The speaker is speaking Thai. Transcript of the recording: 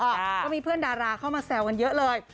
ก็มีเพื่อนดาราเข้ามาแซวกันเยอะเลย